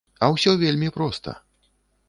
А ўсё вельмі проста.